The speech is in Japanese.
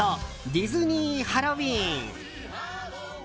ディズニー・ハロウィーン。